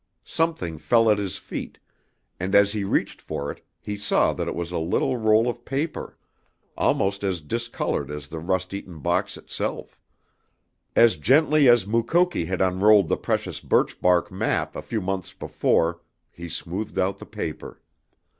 Something fell at his feet, and as he reached for it he saw that it was a little roll of paper, almost as discolored as the rust eaten box itself. As gently as Mukoki had unrolled the precious birchbark map a few months before he smoothed out the paper.